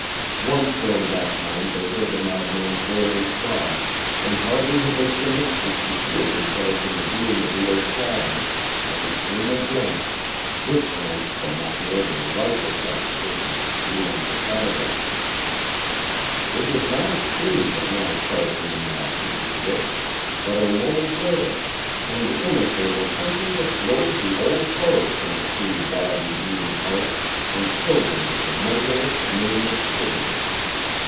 Once during that time they heard the madman's wailing cry, and hardly had they finished and concealed themselves in the gloom of the old cabin when it came again, this time from not more than a rifle shot's distance beyond the cataract. It was not a scream that now fell from the mad hunter's lips, but a low wail and in it there was something that drove the old horror from the three wildly beating hearts and filled them with a measureless, nameless pity.